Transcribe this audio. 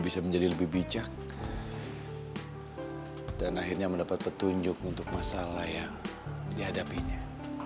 bisa menjadi lebih bijak dan akhirnya mendapat petunjuk untuk masalah yang dihadapinya